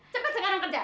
cepet sekarang kerja